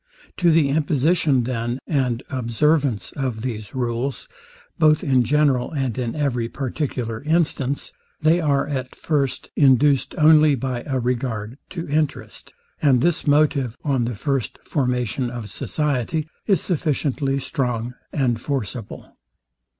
To the imposition then, and observance of these rules, both in general, and in every particular instance, they are at first induced only by a regard to interest; and this motive, on the first formation of society, is sufficiently strong and forcible.